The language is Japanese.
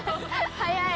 早い。